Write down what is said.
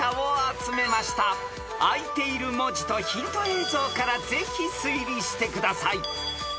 ［あいている文字とヒント映像からぜひ推理してください］